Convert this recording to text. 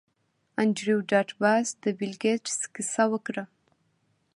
انډریو ډاټ باس د بیل ګیټس کیسه وکړه